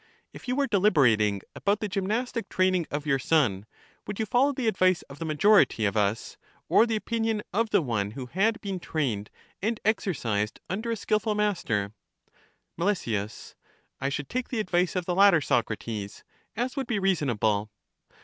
If you were deliberating about the gymnastic training of your son, would you follow the advice of the major LACHES 95 ity of us, or the opinion of the one who had been trained and exercised under a skilful master? Mel, I should take the advice of the latter, Soc rates; as would be reasonable.